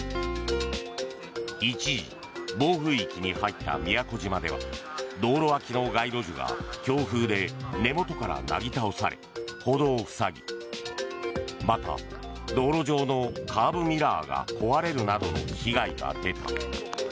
一時、暴風域に入った宮古島では道路脇の街路樹が強風で根元からなぎ倒され歩道を塞ぎまた、道路上のカーブミラーが壊れるなどの被害が出た。